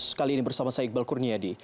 sekali ini bersama saya iqbal kurnia di